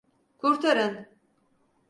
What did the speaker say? Kurtarın!